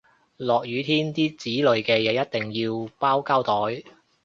落雨天啲紙類嘅嘢一定要包膠袋